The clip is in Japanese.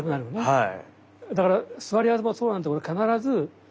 はい。